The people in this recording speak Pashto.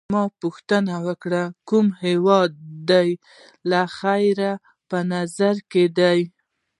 ما پوښتنه وکړه: کوم هیواد دي له خیره په نظر کي دی؟